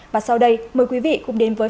và sau đây mời quý vị cùng đến với